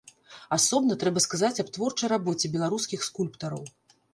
Асобна трэба сказаць аб творчай рабоце беларускіх скульптараў.